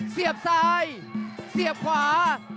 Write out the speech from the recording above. เสียบซ้ายเสียบขวา